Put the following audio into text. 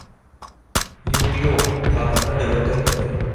Юҡ, юҡ, хатаны төҙәтербеҙ